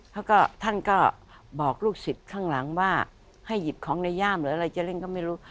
แล้วก็ท่านก็บอกลูกศิษย์ข้างหลังว่าให้หยิบของในย่ามหรืออะไรจะเล่นก็ไม่รู้